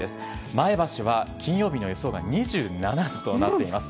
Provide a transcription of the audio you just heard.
前橋は金曜日の予想が２７度となっています。